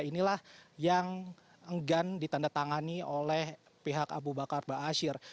inilah yang enggan ditandatangani oleh pihak abu bakar ba'asyir